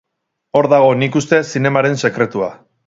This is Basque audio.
Hor dago, nik uste, zinemaren sekretua.